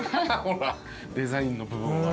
デザインの部分が。